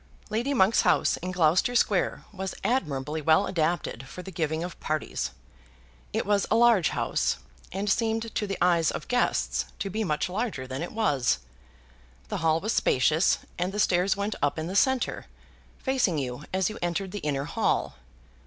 Lady Monk's house in Gloucester Square was admirably well adapted for the giving of parties. It was a large house, and seemed to the eyes of guests to be much larger than it was. The hall was spacious, and the stairs went up in the centre, facing you as you entered the inner hall.